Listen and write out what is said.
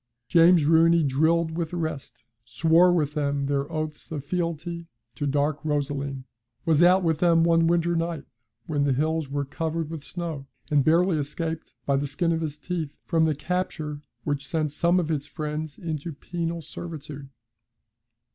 James Rooney drilled with the rest, swore with them their oaths of fealty to Dark Rosaleen, was out with them one winter night when the hills were covered with snow, and barely escaped by the skin of his teeth from the capture which sent some of his friends into penal servitude.